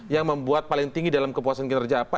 yang membuat paling tinggi dalam kepuasan kinerja apa